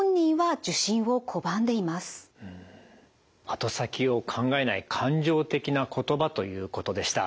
後先を考えない感情的な言葉ということでした。